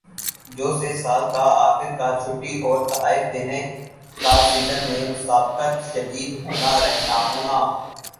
جو سے سال کا آخر کا چھٹی اور تحائف دینا کا سیزن میں مسابقت شدید ہونا رہنا ہونا